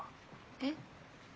えっ？